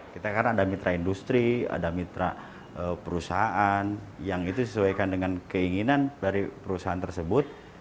kita kan ada mitra industri ada mitra perusahaan yang itu disesuaikan dengan keinginan dari perusahaan tersebut